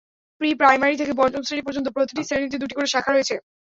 Pre-primary থেকে পঞ্চম শ্রেণি পর্যন্ত প্রতিটি শ্রেণিতে দুটি করে শাখা রয়েছে।